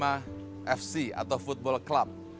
tetapi saya tidak bisa berhenti